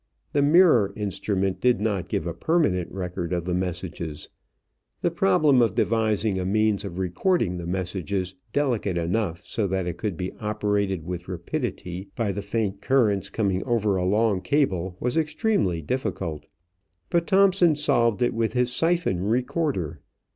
The mirror instrument did not give a permanent record of the messages. The problem of devising a means of recording the messages delicate enough so that it could be operated with rapidity by the faint currents coming over a long cable was extremely difficult. But Thomson solved it with his siphon recorder.